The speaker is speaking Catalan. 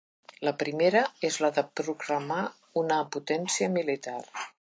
La primera és la de proclamar una potència militar.